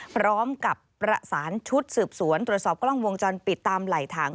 พร้อมกับประสานชุดสืบสวนตรวจสอบกล้องวงจรปิดตามไหล่ถัง